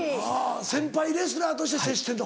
先輩レスラーとして接してんの？